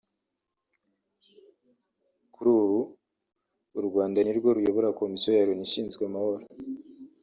Kuri ubu u Rwanda nirwo ruyobora Komisiyo ya Loni ishinzwe Amahoro